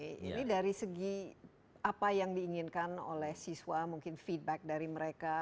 ini dari segi apa yang diinginkan oleh siswa mungkin feedback dari mereka